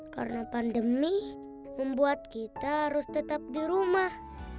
karena pandemi membuat kita harus tetap di rumah